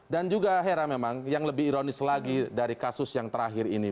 dan juga heran memang yang lebih ironis lagi dari kasus yang terakhir ini